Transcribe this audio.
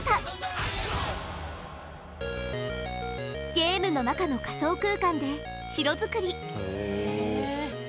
ゲームの中の仮想空間で城づくり！